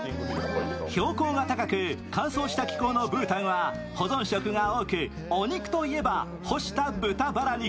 標高が高く乾燥した気候のブータンは保存食が多くお肉といえば干した豚バラ肉。